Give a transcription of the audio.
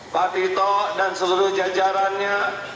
patito dan seluruh jajarannya